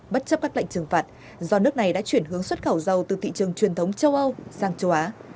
bất chấp các lệnh trừng phạt do nước này đã chuyển hướng xuất khẩu dầu từ thị trường truyền thống châu âu sang châu á